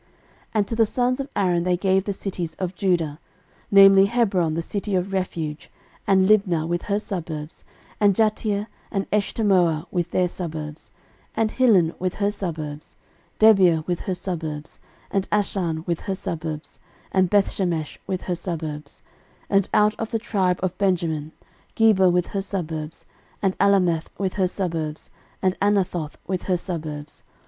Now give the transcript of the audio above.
13:006:057 And to the sons of Aaron they gave the cities of Judah, namely, Hebron, the city of refuge, and Libnah with her suburbs, and Jattir, and Eshtemoa, with their suburbs, 13:006:058 And Hilen with her suburbs, Debir with her suburbs, 13:006:059 And Ashan with her suburbs, and Bethshemesh with her suburbs: 13:006:060 And out of the tribe of Benjamin; Geba with her suburbs, and Alemeth with her suburbs, and Anathoth with her suburbs.